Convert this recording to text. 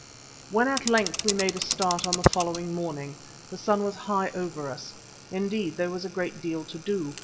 When at length we made a start on the following morning the sun was high over us. Indeed, there was a great deal to do.